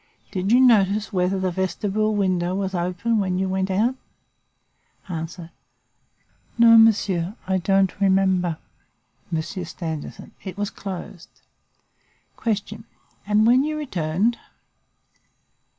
Did you notice whether the vestibule window was open when you went out? "A. I don't remember. "Monsieur Stangerson. It was closed. "Q. And when you returned?